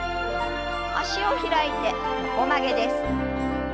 脚を開いて横曲げです。